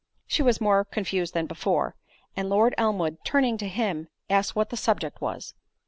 She was more confused than before, and Lord Elmwood turning to him, asked what the subject was.